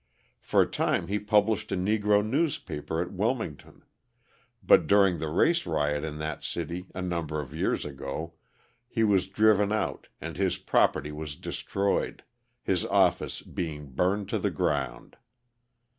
For a time he published a Negro newspaper at Wilmington, but during the race riot in that city a number of years ago he was driven out and his property was destroyed, his office being burned to the ground.